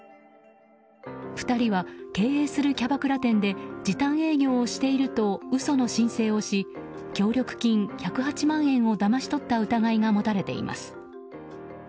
２人は経営するキャバクラ店で時短営業をしていると嘘の申請をし協力金１０８万円をだまし取った疑いが持たれています。